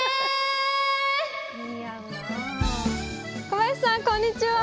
小林さんこんにちは。